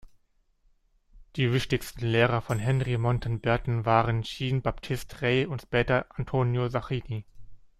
Die wichtigsten Lehrer von Henri Montan Berton waren Jean-Baptiste Rey und später Antonio Sacchini.